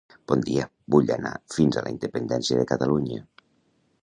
Bon dia, vull anar fins a la Independència de Catalunya.